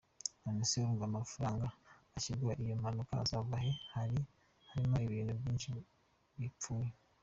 None se urumva amafaranga azishyura iyo mpanuka azava hehe? Hari harimo ibintu byinshi bipfuye.